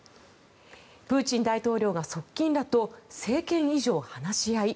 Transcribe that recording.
プーチン大統領が側近らと政権移譲話し合い？